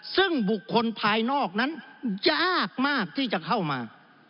ซึ่งบุคคลภายนอกนั้นยากมากที่จะเข้ามา